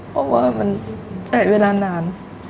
เพราะว่ามันใช้เวลานาน